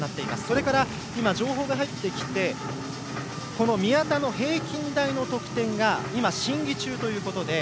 それから、情報が入ってきて宮田の平均台の得点が今、審議中ということで。